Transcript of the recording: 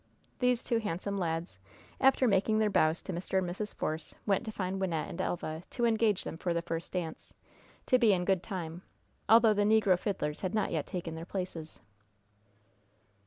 These two handsome lads, after making their bows to Mr. and Mrs. Force, went to find Wynnette and Elva, to engage them for the first dance, to be in good time, although the negro fiddlers had not yet taken their places.